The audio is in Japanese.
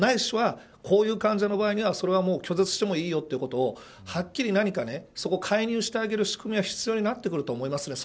ないしは、こういう患者の場合は拒絶してもいいということをはっきり何か介入してあげる仕組みが、必要になってくると思います。